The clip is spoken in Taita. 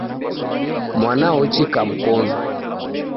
Mwana ochika mkonu.